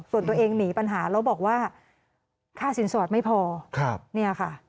ส่วนตัวเองหนีปัญหาแล้วบอกว่าค่าสินสอดไม่พอเนี่ยค่ะ